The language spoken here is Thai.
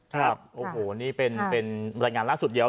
ครับโอ้โหนี่เป็นรายงานล่าสุดเดียว